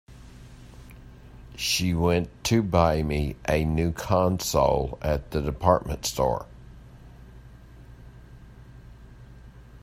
She went to buy me a new console at the department store.